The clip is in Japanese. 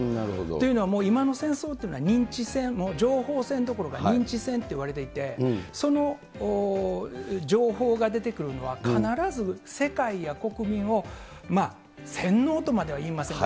というのは、今の戦争というのは認知戦、情報戦どころか認知戦といわれていて、その情報が出てくるのは必ず世界や国民を洗脳とまでは言いません